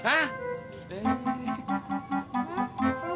kok gitu doang